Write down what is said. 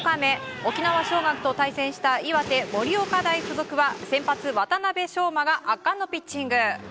沖縄尚学と対戦した岩手・盛岡大付属は先発・渡邊翔真が圧巻のピッチング。